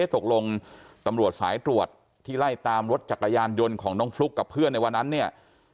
ตกลงตำรวจสายตรวจที่ไล่ตามรถจักรยานยนต์ของน้องฟลุ๊กกับเพื่อนในวันนั้นเนี่ย